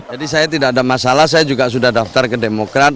jadi saya tidak ada masalah saya juga sudah daftar ke demokrat